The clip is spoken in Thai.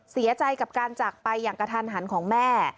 เสียใจกับการจากไปอย่างกระทันหันของแม่